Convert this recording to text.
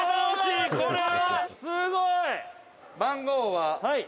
「すごい！」